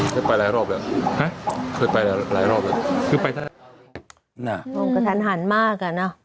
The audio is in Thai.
ได้ไปหลายรอบแล้วครับเคยไปหลายหลายรอบแล้วคือไปถ้าน่ะโรงกระทันหันมากอ่ะน่ะ